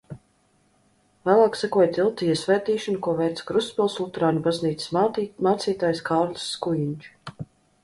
Vēlāk sekoja tilta iesvētīšana, ko veica Krustpils luterāņu baznīcas mācītājs Kārlis Skujiņš.